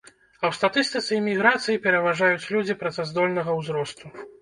А ў статыстыцы эміграцыі пераважаюць людзі працаздольнага ўзросту.